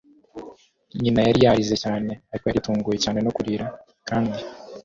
nyina yari yarize cyane, ariko yari yatunguwe cyane no kurira. kandi